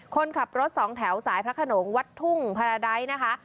คนขับรถสองแถวสายพระขนงวัดทุ่งพาราไดท์นะคะ